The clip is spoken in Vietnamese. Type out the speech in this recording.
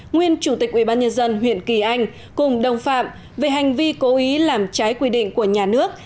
nguyên chủ tịch ubnd huyện kỳ anh cùng đồng phạm về hành vi cố ý làm trái quy định của nhà nước